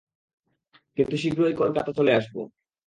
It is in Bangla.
কিন্তু শীঘ্রই কলকাতা চলে আসবো।